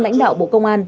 lãnh đạo bộ công an